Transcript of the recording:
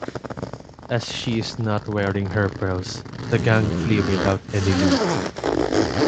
As she is not wearing her pearls, the gang flee without any loot.